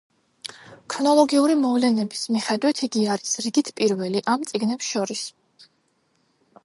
ქრონოლოგიური მოვლენების მიხედვით იგი არის რიგით პირველი ამ წიგნებს შორის.